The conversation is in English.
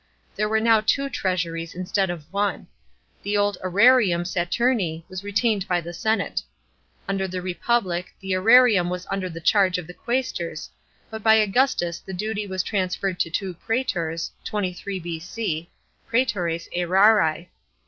There were now two treasuries instead of one. The old serarium Saturni was retained by the senaoe. Under the Republic the xrarium was under the charge of the qusestors, but by Augustus the duty was transferred to two prastors, 23 B.C. (prxtores serarii).